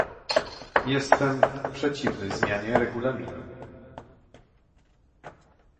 Jestem przeciwny zmianie Regulaminu